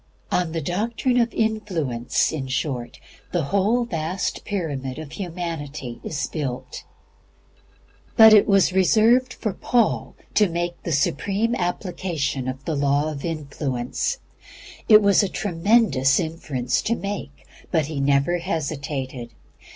On the doctrine of Influence, in short, the whole vast pyramid of humanity is built. But it was reserved for Paul to make the supreme application of the Law of Influence. It was a tremendous inference to make, but he never hesitated.